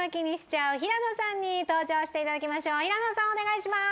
平野さんお願いします！